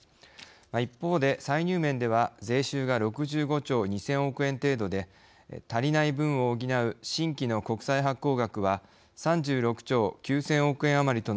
一方で歳入面では税収が６５兆２，０００億円程度で足りない分を補う新規の国債発行額は３６兆９，０００億円余りとなります。